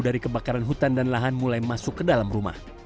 dari kebakaran hutan dan lahan mulai masuk ke dalam rumah